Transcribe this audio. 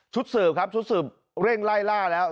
ชุดเสริมครับชุดเสริมเร่งไล่ล่าแล้ว